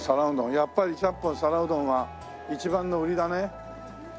やっぱりちゃんぽん皿うどんは一番の売りだね。